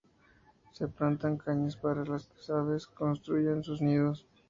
Se plantan cañas para que las aves construyan sus nidos.